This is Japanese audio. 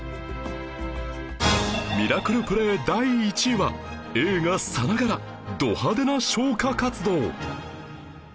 ミラクルプレー第１位は映画さながらド派手な消火活動